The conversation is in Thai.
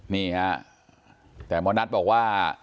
นี่ฮะแต่หมอนัทบอกว่า